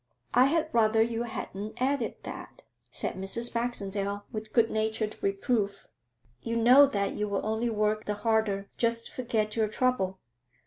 'I had rather you hadn't added that,' said Mrs. Baxendale with good natured reproof. 'You know that you will only work the harder just to forget your trouble.